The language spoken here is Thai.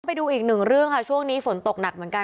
ไปดูอีกหนึ่งเรื่องค่ะช่วงนี้ฝนตกหนักเหมือนกัน